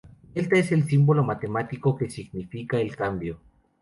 Delta es el símbolo matemático que significa el cambio.